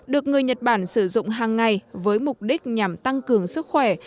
được người nhật bản sử dụng hàng ngày với mục đích nhằm tăng cường sức khỏe